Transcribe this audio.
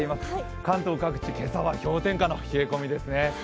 関東各地、今朝は氷点下の冷え込みですね。